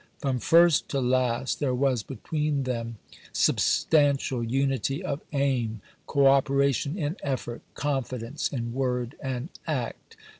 From first to last there was between them substantial unity of aim, cooperation in effort, confidence in word and act.